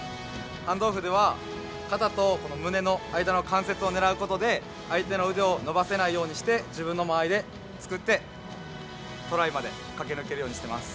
ハンドオフでは、肩とこの胸の間の関節を狙うことで、相手の腕を伸ばせないようにして、自分の間合いを作って、トライまで駆け抜けるようにしてます。